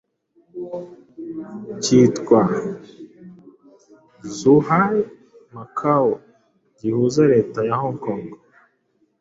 kitwa Zhuhai-Macao gihuza leta ya Hong kong